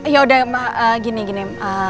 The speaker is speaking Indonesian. ya udah gini gini